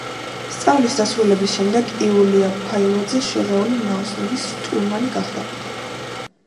სწავლის დასრულების შემდეგ იულია ფაილოძე შორეული ნაოსნობის შტურმანი გახდა.